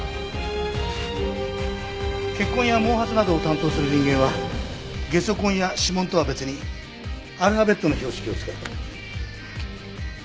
血痕や毛髪などを担当する人間はゲソ痕や指紋とは別にアルファベットの標識を使う。